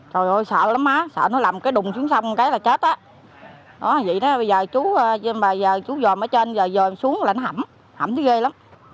trời ơi sợ lắm á sợ nó làm cái đùng xuống sông cái là chết á đó vậy đó bây giờ chú dòm ở trên rồi dòm xuống là nó hẳm hẳm thì ghê lắm